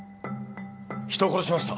人を殺しました。